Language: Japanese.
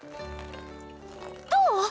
どう？